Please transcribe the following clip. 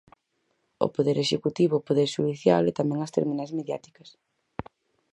O poder executivo, o poder xudicial e tamén as terminais mediáticas.